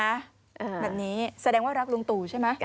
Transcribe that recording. แบบนี้แสดงว่ารักลุงตู่ใช่ไหม